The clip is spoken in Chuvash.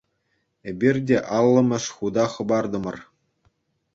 Эпир те аллӑмӗш хута хӑпартӑмӑр.